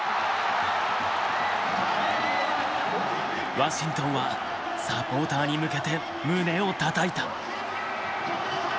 ワシントンはサポーターに向けて胸をたたいた。